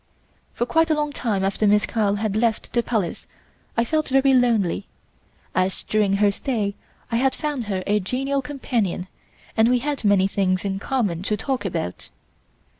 For quite a long time after Miss Carl had left the Palace I felt very lonely, as during her stay I had found her a genial companion and we had many things in common to talk about.